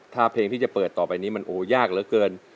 ถ้าเพลงที่จะเปิดต่อไปนี้มันโอ้ยากเหลือเกิน